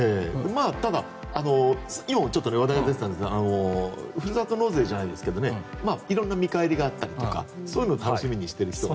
ただ、今もちょっと話題に出てましたがふるさと納税じゃないですが色んな見返りがあったりとかそういうのを楽しみにしている人も。